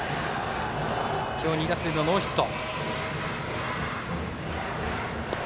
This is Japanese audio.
今日２打数のノーヒット。